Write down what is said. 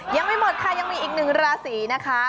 ยังไม่หมดค่ะยังมีอีกหนึ่งราศีนะคะ